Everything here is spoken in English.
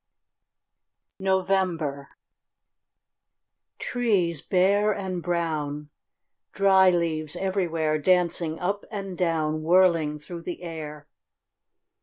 NOVEMBER Trees bare and brown, Dry leaves everywhere Dancing up and down, Whirling through the air.